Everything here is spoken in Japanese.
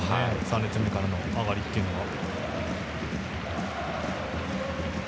３列目からの上がりというのは。